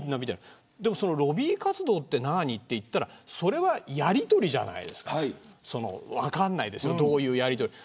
ロビー活動って何、と言ったらそれはやりとりじゃないですか。分からないですけどどういうやりとりか。